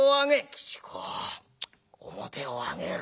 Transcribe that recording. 「吉公面を上げろ」。